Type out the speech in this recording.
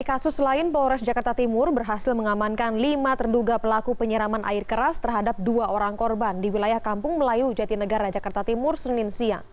kasus lain polres jakarta timur berhasil mengamankan lima terduga pelaku penyiraman air keras terhadap dua orang korban di wilayah kampung melayu jatinegara jakarta timur senin siang